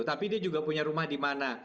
tapi dia juga punya rumah di mana